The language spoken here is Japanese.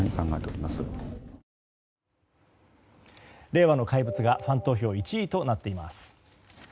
令和の怪物がファン投票１位となっています。